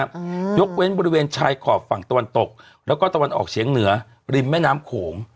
ยกเว้นบริเวณชายขอบฝั่งตะวันตกแล้วก็ตะวันออกเฉียงเหนือริมแม่น้ำโขง